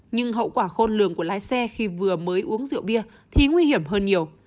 nhưng hậu quả khôn lường của lái xe khi vừa mới uống rượu bia thì nguy hiểm hơn nhiều